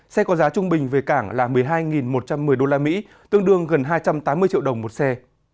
xe có giá trung bình về cảng là một mươi hai một trăm một mươi đô la mỹ tương đương gần hai trăm tám mươi triệu đồng một xe